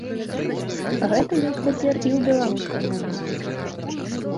Гэта ёсць цяпер і ў беларускай мове.